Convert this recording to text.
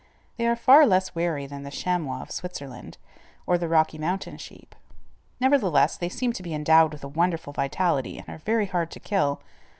They are far less wary than the chamois of Switzerland, or the Rocky Mountain sheep. Nevertheless, they seem to be endowed with a wonderful vitality, and are very hard to kill.